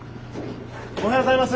おはようございます。